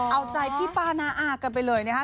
เอาใจพี่ป้าน้าอากันไปเลยนะคะ